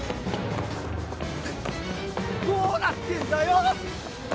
どうなってんだよ！